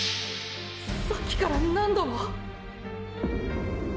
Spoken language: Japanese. さっきから何度もーー！！